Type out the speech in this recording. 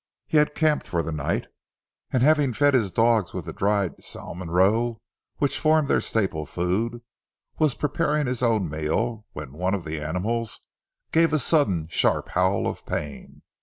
He had camped for the night, and having fed his dogs with the dried salmon roe which formed their staple food, was preparing his own meal, when one of the animals gave a sudden sharp howl of pain.